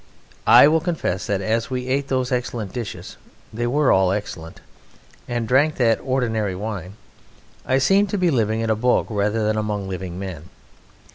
I will confess that as we ate those excellent dishes (they were all excellent) and drank that ordinary wine, I seemed to be living in a book rather than among living men.